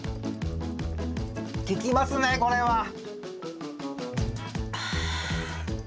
効きますねこれは。あ。